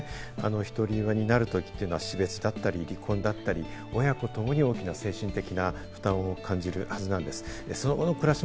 １人親になるときは死別だったり、離婚だったり、親子ともに大きな精神的な負担を感じるはずなんです。